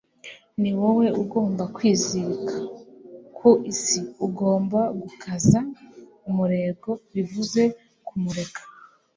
niwowe ugomba kwizirika ku isi. ugomba gukaza umurego - bivuze kumureka